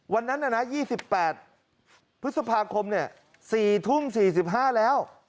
วันนั้น๒๘พฤษภาคม๔ทุ่ม๔๕แล้ว